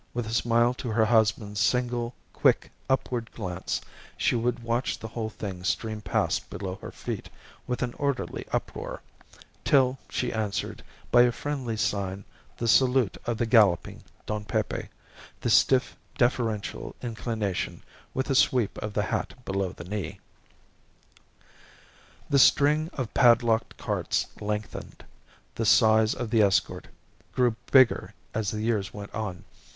With a smile to her husband's single, quick, upward glance, she would watch the whole thing stream past below her feet with an orderly uproar, till she answered by a friendly sign the salute of the galloping Don Pepe, the stiff, deferential inclination with a sweep of the hat below the knee. The string of padlocked carts lengthened, the size of the escort grew bigger as the years went on.